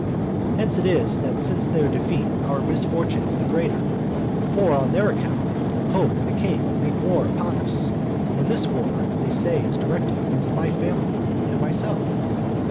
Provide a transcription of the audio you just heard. Hence it is that since their defeat our misfortune is the greater; for on their account the pope and the king make war upon us, and this war, they say, is directed against my family and myself.